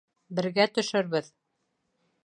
— Бергә төшөрбөҙ.